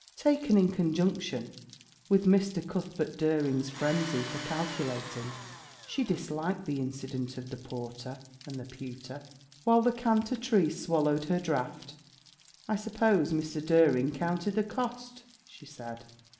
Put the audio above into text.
Taken in conjunction with Mr. Cuthbert Dering's frenzy for calculating, she disliked the incident of the porter and the pewter. 'While the Cantatrice swallowed her draught, I suppose Mr. Dering counted the cost?' she said.